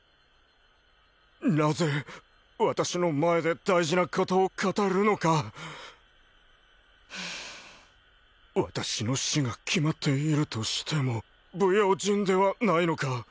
なぜ私の前で大事なことを語るのか私の死が決まっているとしても不用心ではないのか？